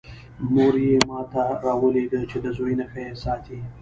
مور یې ما ته راولېږه چې د زوی نښه یې ساتی.